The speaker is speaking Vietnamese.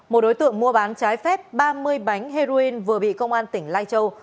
một đối tượng mua bán trái phép ba mươi bánh heroin vừa bị công an tỉnh lai châu